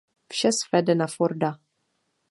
Vše svede na Forda.